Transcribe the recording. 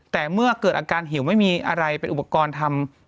แต่เมื่อเกิดอาการหิวไม่มีอะไรเป็นอุปกรณ์ทำ